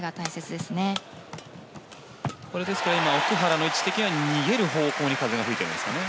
ですから、今奥原の位置的には逃げる方向に風が吹いているんですかね。